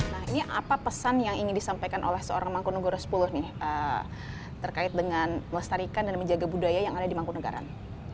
nah ini apa pesan yang ingin disampaikan oleh seorang mangkunegara sepuluh nih terkait dengan melestarikan dan menjaga budaya yang ada di mangkunegara